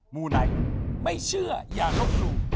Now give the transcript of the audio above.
มูไนท์ไม่เชื่ออย่าลบหลู่